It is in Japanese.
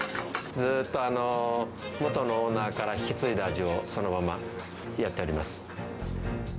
ずっと元のオーナーから引き継いだ味をそのままやっております。